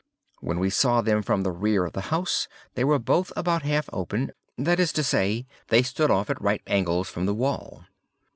When we saw them from the rear of the house, they were both about half open—that is to say, they stood off at right angles from the wall.